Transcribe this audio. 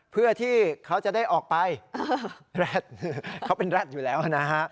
เพื่อที่เขาจะได้ออกไปแร็ดเขาเป็นแร็ดอยู่แล้วนะฮะ